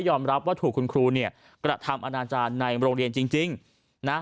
รับว่าถูกคุณครูเนี่ยกระทำอนาจารย์ในโรงเรียนจริงนะ